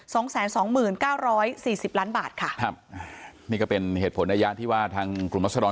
สองแสนสองหมื่นเก้าร้อยสี่สิบล้านบาทค่ะครับนี่ก็เป็นเหตุผลในระยะที่ว่าทางกลุ่มรัศดร